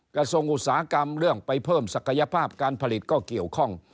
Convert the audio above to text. กระทรวงอุตสาหกรรมเรื่องไปเพิ่มศักยภาพการผลิตก็เกี่ยวข้อง